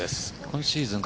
今シーズン